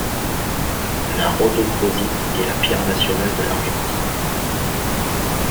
La rhodochrosite est la pierre nationale de l’Argentine.